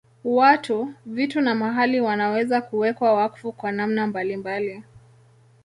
Watu, vitu na mahali wanaweza kuwekwa wakfu kwa namna mbalimbali.